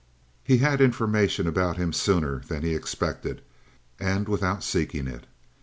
He had information about him sooner than he expected and without seeking it.